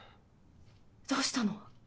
どうしたの？